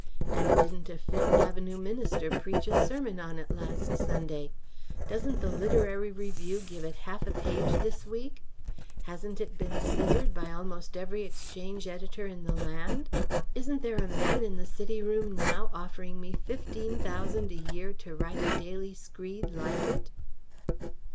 And didn't a Fifth Avenue minister preach a sermon on it last Sunday? Doesn't the Literary Review give it half a page this week? Hasn't it been scissored by almost every exchange editor in the land? Isn't there a man in the city room now offering me fifteen thousand a year to write a daily screed like it?"